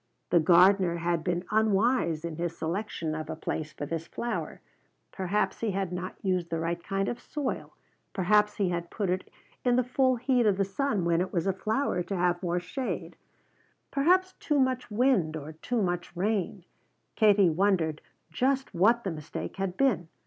The gardener had been unwise in his selection of a place for this flower; perhaps he had not used the right kind of soil, perhaps he had put it in the full heat of the sun when it was a flower to have more shade; perhaps too much wind or too much rain Katie wondered just what the mistake had been.